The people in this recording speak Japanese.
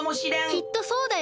きっとそうだよ！